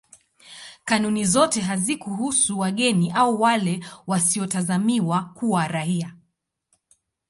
Kanuni zote hazikuhusu wageni au wale wasiotazamiwa kuwa raia.